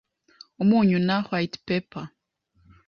Umunyu na white pepper